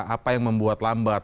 apa yang membuat lambat